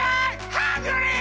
ハングリー。